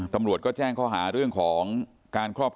ตำรวจก็แจ้งข้อหาเรื่องของการครอบครอง